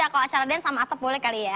kalau acara dan sama atap boleh kali ya